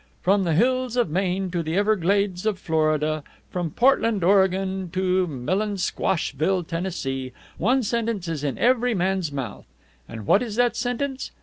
From the hills of Maine to the Everglades of Florida, from Portland, Oregon, to Melonsquashville, Tennessee, one sentence is in every man's mouth. And what is that sentence?